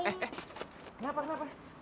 eh eh kenapa kenapa